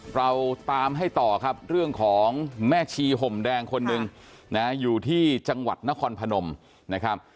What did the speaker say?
เราตามให้ต่อครับเรื่องของแม่ชีห่มแดงคนหนึ่งนะอยู่ที่จังหวัดนครพนมนะครับ